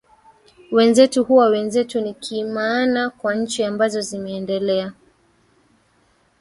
wenzetu huwa wenzetu nikimaana kwa nchi ambazo zimeendelea